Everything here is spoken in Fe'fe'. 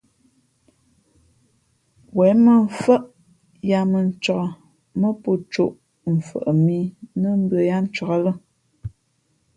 Wěn mᾱmfάʼ yāā mᾱ ncāk mά pō cōʼ mfαʼ mǐ nά mbʉ̄ᾱ yáá ncāk lά.